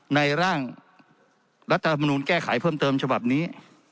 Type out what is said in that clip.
ร่างรัฐธรรมนูลแก้ไขเพิ่มเติมฉบับนี้